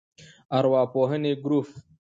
ارواپوهنې ګروپ